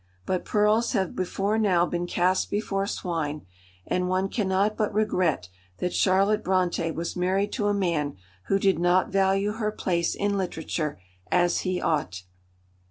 But pearls have before now been cast before swine, and one cannot but regret that Charlotte Brontë was married to a man who did not value her place in literature as he ought.